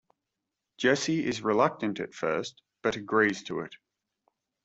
Jesse is reluctant at first but agrees to it.